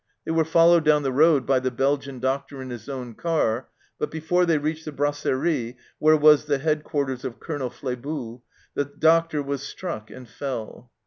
They were followed down the road by the Belgian doctor in his own car, but before they reached the brasserie, where was the headquarters of Colonel Flebus, the doctor was struck and fell.